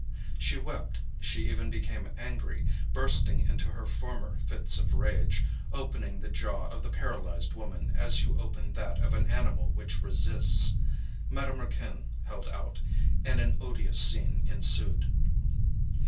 She wept, she even became angry, bursting into her former fits of rage, opening the jaw of the paralysed woman as you open that of an animal which resists. Madame Raquin held out, and an odious scene ensued.